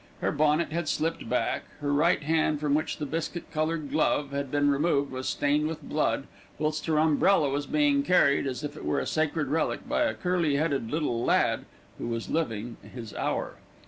Her bonnet had slipped back, her right hand, from which the biscuit coloured glove had been removed, was stained with blood, whilst her umbrella was being carried, as if it were a sacred relic, by a curly headed little lad who was living his hour.